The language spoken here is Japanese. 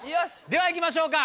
では行きましょうか。